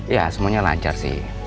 ya semuanya lancar sih